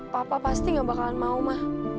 papa pasti gak bakalan mau mah